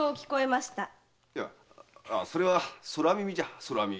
いやそれは空耳じゃ空耳。